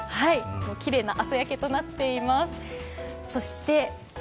きれいな朝焼けとなっています。